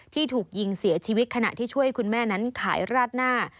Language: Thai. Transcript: ที่ถูกยิงเสียชีวิตขณะที่ช่วยคุณแม่นั้นขายราดหน้า